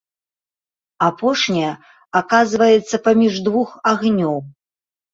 Апошняя аказваецца паміж двух агнёў.